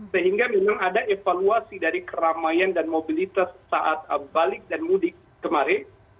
sehingga memang ada evaluasi dari keramaian dan mobilitas saat balik dan mudik kemarin